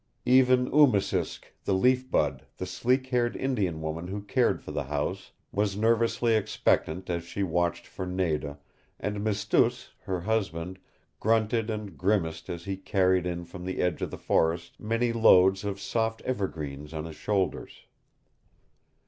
Even Oosimisk, the Leaf Bud, the sleek haired Indian woman who cared for the house, was nervously expectant as she watched for Nada, and Mistoos, her husband, grunted and grimaced as he carried in from the edge of the forest many loads of soft evergreens on his shoulders.